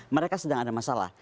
mereka sedang ada masalah